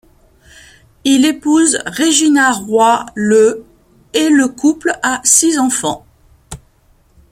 Il épouse Régina Roy le et le couple a six enfants.